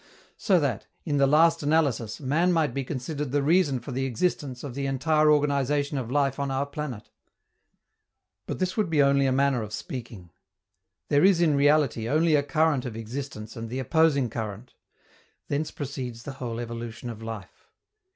So that, in the last analysis, man might be considered the reason for the existence of the entire organization of life on our planet. But this would be only a manner of speaking. There is, in reality, only a current of existence and the opposing current; thence proceeds the whole evolution of life.